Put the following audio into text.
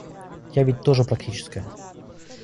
Я ведь тоже практическая.